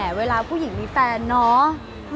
คือบอกเลยว่าเป็นครั้งแรกในชีวิตจิ๊บนะ